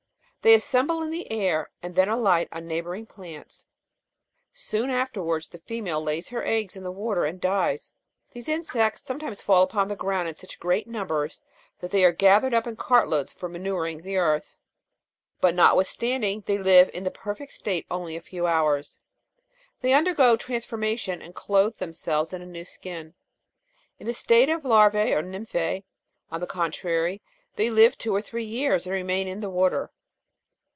They assemble in the air and then alight on neighbouring plants; soon afterwards the female lays her eggs in the water and dies. These insects sometimes fall upon the ground in such great numbers that they are gathered up in cart loads for manuring the earth. But notwithstanding they live in the perfect state only a few hours, they undergo transformation and clothe themselves in a new skin. In the state of larvae or nymphre, on the contrary, they live two or three years and remain in the water.